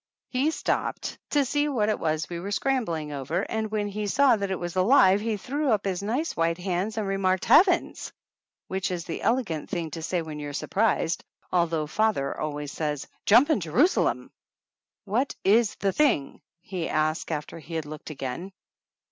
He stopped to see what it was we were scrambling over, and when he saw that it was alive he threw up his nice white hands and re marked "Heavens!" which is the elegant thing to say when you're surprised, although father always says, "Jumping Jerusalem !" "What is the thing?" he asked, after he had looked again.